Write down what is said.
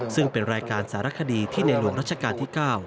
ซึ่งเป็นรายการสารคดีที่ในหลวงรัชกาลที่๙